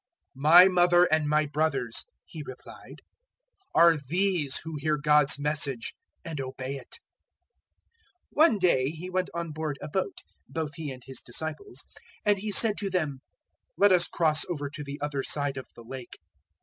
008:021 "My mother and my brothers," He replied, "are these who hear God's Message and obey it." 008:022 One day He went on board a boat both He and his disciples; and He said to them, "Let us cross over to the other side of the Lake."